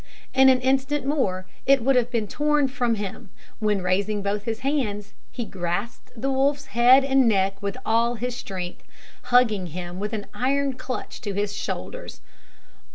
In an instant more it would have been torn from him, when, raising both his hands, he grasped the wolf's head and neck with all his strength, hugging him with an iron clutch to his shoulders.